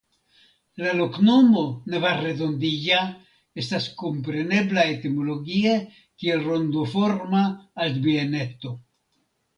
La loknomo "Navarredondilla" estas komprenebla etimologie kiel "Rondoforma Altbieneto".